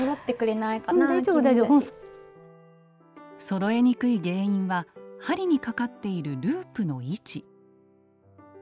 そろえにくい原因は針にかかっているループの位置。